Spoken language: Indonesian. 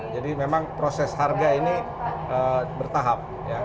jadi memang proses harga ini bertahap